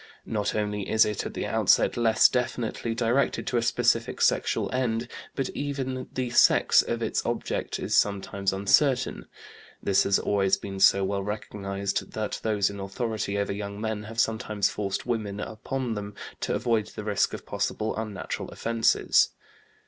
Not only is it, at the outset, less definitely directed to a specific sexual end, but even the sex of its object is sometimes uncertain. This has always been so well recognized that those in authority over young men have sometimes forced women upon them to avoid the risk of possible unnatural offenses.